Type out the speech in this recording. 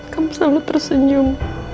kamu selalu tersenyum